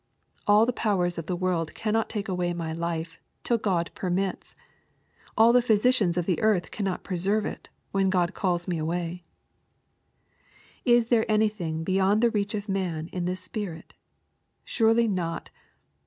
All the powers of the world cannot take away my life, till God permits. All the physi cians of earth cannot preserve it, when God calls me away/' Is there anything beyond the reach of man in this spirit ? Surely not.